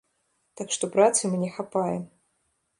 Так што працы мне хапае.